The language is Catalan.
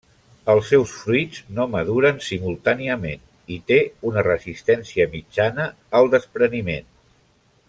Els seus fruits no maduren simultàniament, i té una resistència mitjana al despreniment.